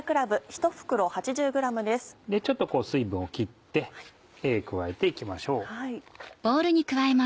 ちょっと水分を切って加えて行きましょう。